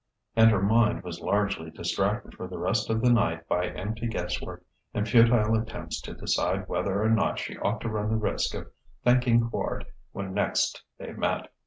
And her mind was largely distracted for the rest of the night by empty guesswork and futile attempts to decide whether or not she ought to run the risk of thanking Quard when next they met.